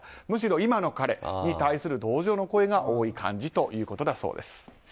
むしろ今の彼に対する同情の声が多い感じということだそうです。